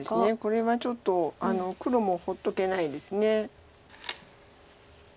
これはちょっと黒も放っとけないです。